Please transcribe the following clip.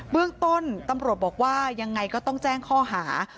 เรื่องต้นตำรวจบอกว่ายังไงก็ต้องแจ้งข้อหา